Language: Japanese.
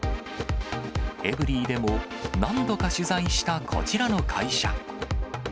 エブリィでも何度か取材したこちらの会社。